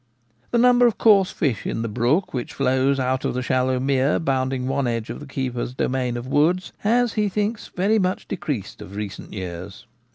The number of coarse fish in the brook which flows out of the shallow mere bounding one edge of the keeper's domain of woods has, he thinks, very much decreased of recent years.